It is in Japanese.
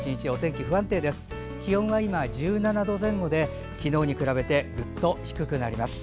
気温は今、１７度前後で昨日に比べてぐっと低くなります。